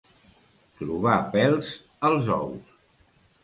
Trobar pèls als ous.